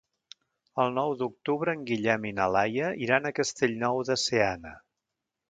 El nou d'octubre en Guillem i na Laia iran a Castellnou de Seana.